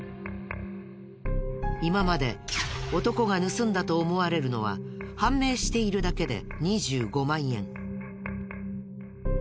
今まで男が盗んだと思われるのは判明しているだけで２５万円。